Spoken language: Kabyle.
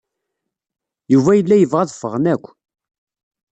Yuba yella yebɣa ad ffɣen akk.